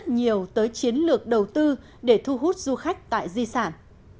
nhiều tới chiến lược đầu tư để thu hút du khách tại di sản